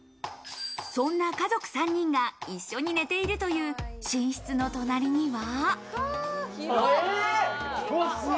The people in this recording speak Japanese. そんな家族３人が一緒に寝ているという寝室の隣には。